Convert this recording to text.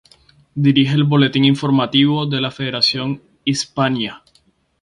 Dirige el boletín informativo de la federación, "Hispania".